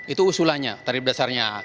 itu usulannya tarif dasarnya